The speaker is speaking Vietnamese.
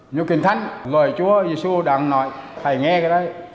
như kinh thánh lời chúa giê xu đang nói phải nghe cái đấy